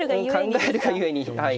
考えるがゆえにはい。